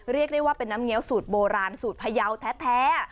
เรียกได้ว่าเป็นน้ำเงี้ยวสูตรโบราณสูตรพยาวแท้